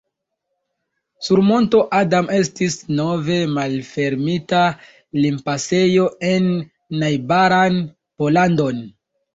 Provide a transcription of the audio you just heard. Sur monto Adam estis nove malfermita limpasejo en najbaran Pollandon.